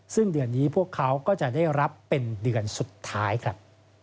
ซึ่งเดือนนี้พวกเขาก็จะได้รับเป็นเดือนสุดท้ายครับ